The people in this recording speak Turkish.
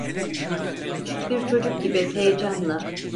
Küçük bir çocuk gibi heyecanla: